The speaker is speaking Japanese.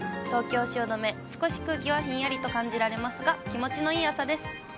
東京・汐留、少し空気はひんやりと感じられますが、気持ちのいい朝です。